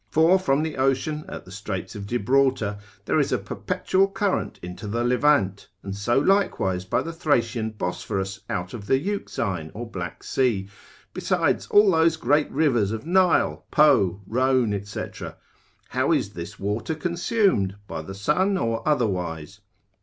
For from the ocean, at the Straits of Gibraltar, there is a perpetual current into the Levant, and so likewise by the Thracian Bosphorus out of the Euxine or Black Sea, besides all those great rivers of Nile, Po, Rhone, &c. how is this water consumed, by the sun or otherwise?